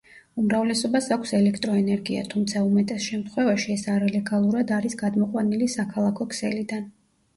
უმრავლესობას აქვს ელექტროენერგია, თუმცა უმეტეს შემთხვევაში ეს არალეგალურად არის გადმოყვანილი საქალაქო ქსელიდან.